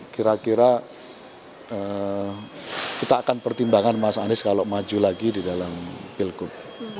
kira kira kita akan pertimbangkan mas anies kalau maju lagi di dalam pilgub